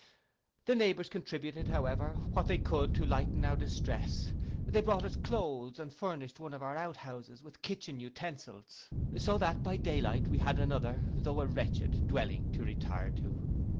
The neighbours contributed, however, what they could to lighten our distress. They brought us cloaths, and furnished one of our out houses with kitchen utensils; so that by day light we had another, tho' a wretched, dwelling to retire to.